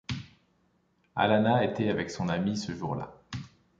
Alana était avec son amie ce jour-là.